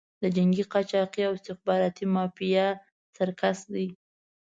د جنګي قاچاقي او استخباراتي مافیا سرکس دی.